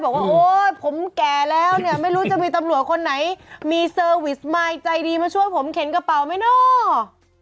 บอกว่าโอ๊ยผมแก่แล้วเนี่ยไม่รู้จะมีตำรวจคนไหนมีเซอร์วิสมายใจดีมาช่วยผมเข็นกระเป๋าไหมเนาะ